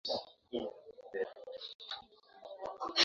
lahaja maalum ambayo inasaidiwa na wasomi wengine